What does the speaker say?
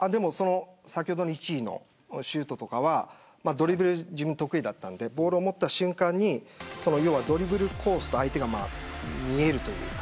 先ほどの１位のシュートとかドリブルが得意だったのでボールを持った瞬間にドリブルのコースと相手が見えるというか。